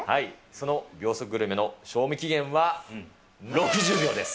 その秒速グルメの賞味期限は６０秒です。